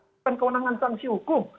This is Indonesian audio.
bukan kewenangan sanksi hukum